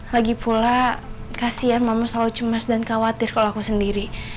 lagipula kasihan mama selalu cemas dan khawatir kalau aku sendiri